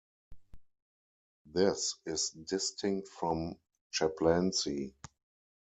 This is distinct from chaplaincy.